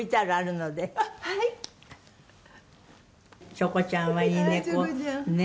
「チョコちゃんはいい猫ね。